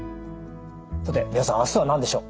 さて三輪さん明日は何でしょう？